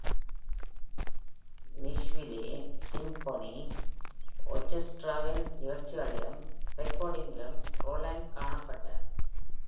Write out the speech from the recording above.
Nashville Symphony Orchestraவின் நிகழ்ச்சிகளிலும் ரெக்கார்டிங்க்கலிலும் Roland காணப்பட்டார்.